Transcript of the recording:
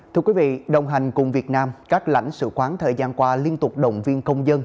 thưa quý vị đồng hành cùng việt nam các lãnh sự quán thời gian qua liên tục động viên công dân